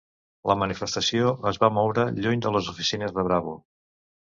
La manifestació es va moure lluny de les oficines de Bravo